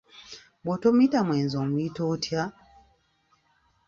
Bw'otomuyita mwenzi omuyita otya?